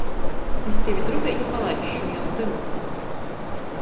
Es tevi drupeiti palaisšu — jau tymss.